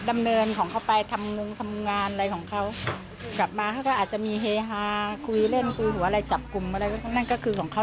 มีเล่นเกลือหัวอะไรจับกุมอะไรทั้งนั้นก็คือของเขา